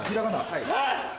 はい。